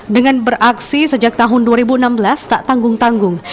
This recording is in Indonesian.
dengan beraksi sejak tahun dua ribu enam belas tak tanggung tanggung